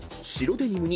デニムの。